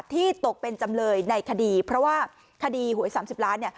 ตกเป็นจำเลยในคดีเพราะว่าคดีหวย๓๐ล้านเนี่ย